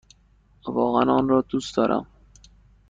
واقعا آن را دوست دارم!